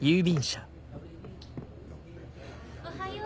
おはよう。